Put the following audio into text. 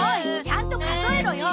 ちゃんと数えろよ！